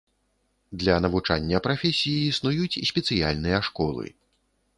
Для навучання прафесіі існуюць спецыяльныя школы.